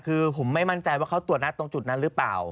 คือผมไม่มั่นใจว่าเขาตรวจนัดตรงจุดนั้นหรือเปล่า